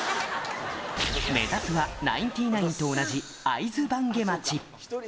目指すは、ナインティナインと同じ会津坂下町。